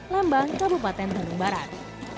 lembang kabupaten bandung barat